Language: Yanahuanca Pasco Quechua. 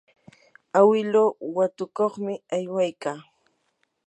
awiluu watukuqmi aywaykaa.